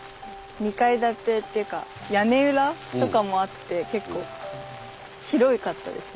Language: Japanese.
２階建てっていうか屋根裏とかもあって結構広かったですね。